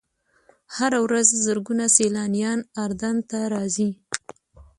هره ورځ زرګونه سیلانیان اردن ته راځي.